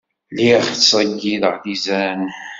Lliɣ ttṣeyyideɣ-d izan.